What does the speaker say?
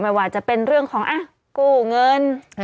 ไม่ว่าจะเป็นเรื่องของกู้เงิน